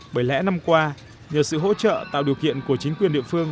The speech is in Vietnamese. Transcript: bởi lẽ năm qua nhờ sự hỗ trợ tạo điều kiện của chính quyền địa phương